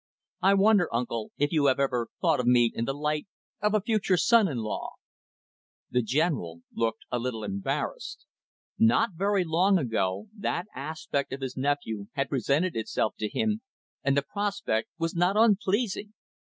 "I wonder, uncle, if you have ever thought of me in the light of a future son in law?" The General looked a little embarrassed. Not very long ago, that aspect of his nephew had presented itself to him, and the prospect was not unpleasing.